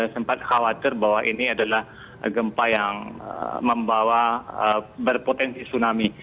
sempat khawatir bahwa ini adalah gempa yang membawa berpotensi tsunami